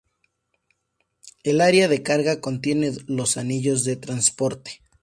El área de carga contiene los Anillos de transporte.